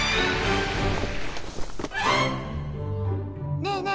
ねえねえ